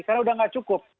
karena udah nggak cukup